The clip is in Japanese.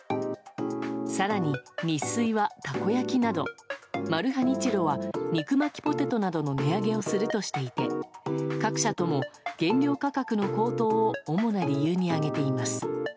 更に、ニッスイは、たこ焼きなどマルハニチロは肉巻きポテトなどの値上げをするとしていて各社とも原料価格の高騰を主な理由に挙げています。